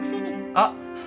あっ！